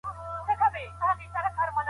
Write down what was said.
څېړنه یوازې یوه ادبي تجربه ده.